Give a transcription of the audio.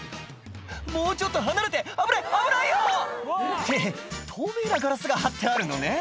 もうちょっと離れて危ない危ないよ！って透明なガラスが張ってあるのね